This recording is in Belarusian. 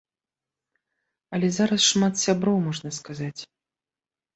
Але зараз шмат сяброў, можна сказаць.